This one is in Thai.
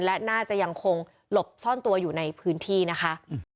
และน่าจะยังคงหลบซ่อนตัวอยู่ในพื้นที่นะคะ